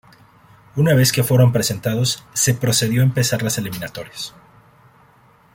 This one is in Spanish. Una vez que fueron presentados, se procedió a empezar las eliminatorias.